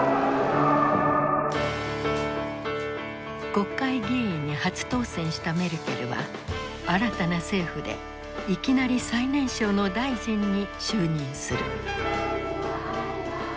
国会議員に初当選したメルケルは新たな政府でいきなり最年少の大臣に就任する。